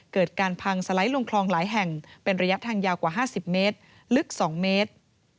เกิดการพังสไลด์ลงคลองหลายแห่งเป็นระยะทางยาวกว่า๕๐เมตรลึก๒เมตร